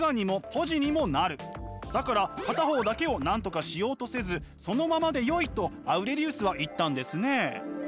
だから片方だけをなんとかしようとせずそのままでよいとアウレリウスは言ったんですね。